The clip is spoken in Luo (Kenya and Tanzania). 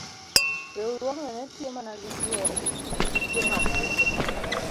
riwruogno ne tiyo mana gi chwo e tije mag lwedo.